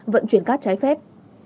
vận chuyển cát trái phép